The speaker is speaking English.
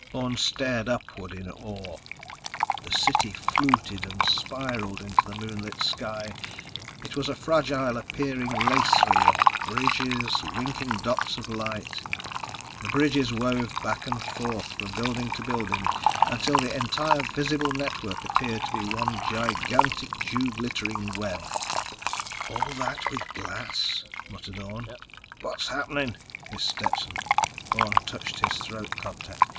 Orne stared upward in awe. The city fluted and spiraled into the moonlit sky. It was a fragile appearing lacery of bridges, winking dots of light. The bridges wove back and forth from building to building until the entire visible network appeared one gigantic dew glittering web. "All that with glass," murmured Orne. "What's happening?" hissed Stetson. Orne touched his throat contact.